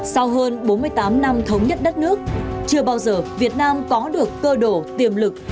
sau hơn bốn mươi tám năm thống nhất đất nước chưa bao giờ việt nam có được cơ đồ tiềm lực